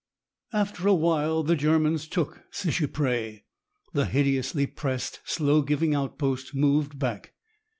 After a while the Germans took Seicheprey. The hideously pressed, slow giving outpost moved back.